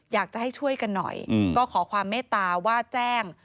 อยากจะให้ช่วยกันหน่อยก็ขอความเมตตาว่าแจ้ง